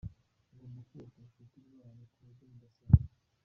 Ugomba kubaka ubucuti bwanyu ku buryo budasanzwe.